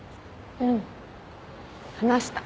うん話した。